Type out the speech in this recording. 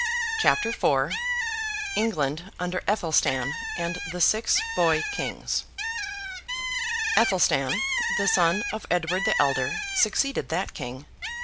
CHAPTER IV ENGLAND UNDER ATHELSTAN AND THE SIX BOY KINGS Athelstan, the son of Edward the Elder, succeeded that king.